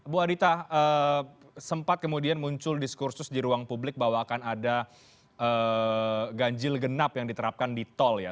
bu adita sempat kemudian muncul diskursus di ruang publik bahwa akan ada ganjil genap yang diterapkan di tol ya